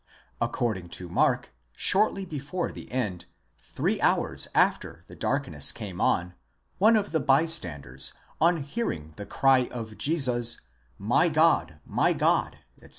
according to Mark, shortly before the end, three hours after the darkness came on, one of the bystanders, on hearing the cry of Jesus: my God, my God, etc.